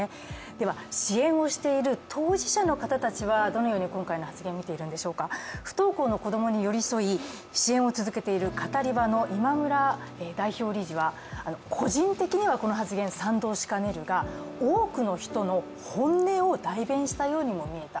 では、支援をしている当事者の方たちはどのように今回の発言を見ているんでしょうか不登校の子供に寄り添い、支援を続けているカタリバの今村代表理事は、個人的にはこの賛同しかねるが、多くの人の本音を代弁したようにも見えた。